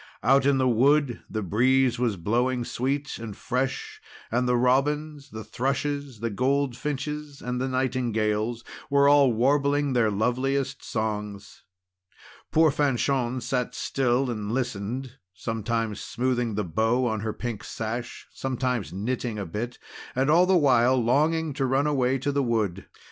Out in the wood the breeze was blowing sweet and fresh, and the robins, the thrushes, the goldfinches, and the nightingales, were all warbling their loveliest songs. Poor Fanchon sat still and listened, sometimes smoothing the bow on her pink sash, and sometimes knitting a bit, and all the while longing to run away to the wood.